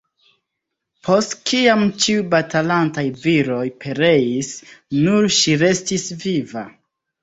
Post kiam ĉiuj batalantaj viroj pereis, nur ŝi restis viva.